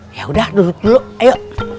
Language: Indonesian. yaudah duduk dulu ayo